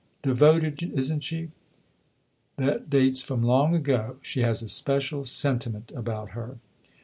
" Devoted, isn't she ? That dates from long ago. She has a special sentiment about her."